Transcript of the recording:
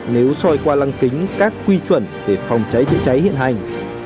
nếu soi qua lăng kính các quy chuẩn về phòng cháy chữa cháy hiện hành